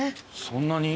そんなに？